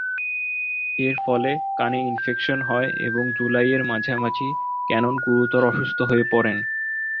এর ফলে কানে ইনফেকশন হয় এবং জুলাইয়ের মাঝামাঝি ক্যানন গুরুতর অসুস্থ হয়ে পড়েন।